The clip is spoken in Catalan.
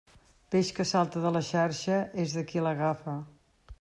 Peix que salta de la xarxa és de qui l'agafa.